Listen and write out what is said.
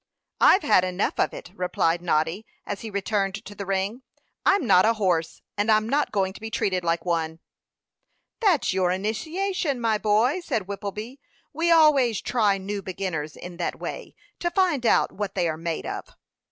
"I've had enough of it," replied Noddy, as he returned to the ring. "I'm not a horse, and I'm not going to be treated like one." "That's your initiation, my boy," said Whippleby. "We always try new beginners in that way, to find out what they are made of."